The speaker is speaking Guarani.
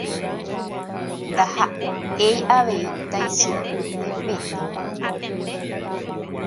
ndaha'éi avei taisu'u ne petỹ